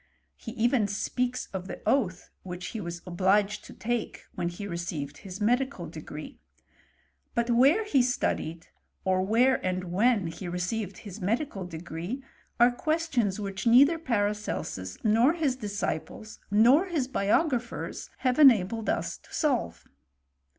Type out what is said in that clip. He even speaks of the oath which he was obliged to take when he received his medical degree ; but where he studied, or where and when he received his medical degree, are questions which neiv ther Paracelsus nor his disciples, nor his biographers, have enabled us to solve.